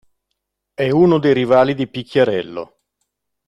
È uno dei rivali di Picchiarello.